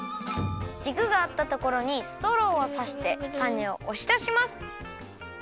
じくがあったところにストローをさしてたねをおしだします。